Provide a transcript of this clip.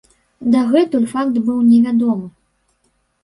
Дагэтуль факт быў невядомы.